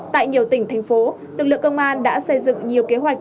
tại nhiều tỉnh thành phố lực lượng công an đã xây dựng nhiều kế hoạch